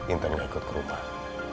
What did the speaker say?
intan gak ikut ke rumah